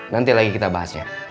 nanti lagi kita bahasnya